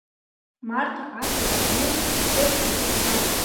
Марҭа ацәа дакны дхырсысуа дтәан.